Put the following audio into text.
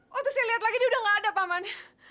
waktu saya lihat lagi dia udah gak ada paman